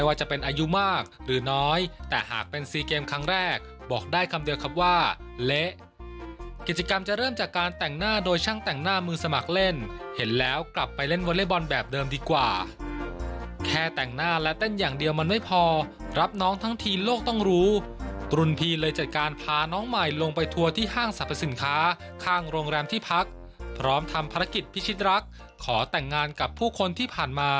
ว่าเละกิจกรรมจะเริ่มจากการแต่งหน้าโดยช่างแต่งหน้ามือสมัครเล่นเห็นแล้วกลับไปเล่นวอเล่นบอลแบบเดิมดีกว่าแค่แต่งหน้าและเต้นอย่างเดียวมันไม่พอรับน้องทั้งทีโลกต้องรู้รุ่นพีเลยจัดการพาน้องใหม่ลงไปทัวร์ที่ห้างสรรพสินค้าข้างโรงแรมที่พักพร้อมทำภารกิจพิชิตรักขอแต่งงานกับผู้คนที่ผ